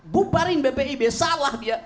buparin bpib salah dia